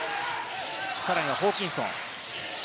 さらにはホーキンソン。